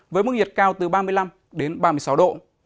với mức nhiệt cao từ ba mươi năm đến ba mươi sáu độ